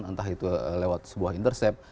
entah itu lewat sebuah intercept